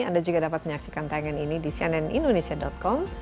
anda juga dapat menyaksikan tayangan ini di cnnindonesia com